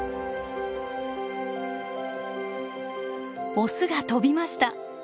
オスが飛びました。